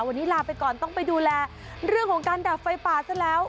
วันนี้ลาไปก่อนต้องไปดูแลเรื่องของการดับไฟป่าซะแล้ว